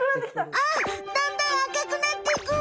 あっだんだん赤くなっていく！